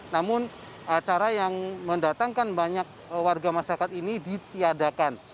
namun acara yang mendatangkan banyak warga masyarakat ini ditiadakan